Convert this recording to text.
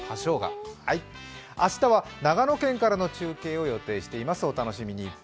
明日は長野県からの中継を予定しています、お楽しみに。